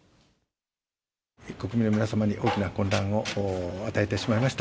国民の皆様に大きな混乱を与えてしまいました。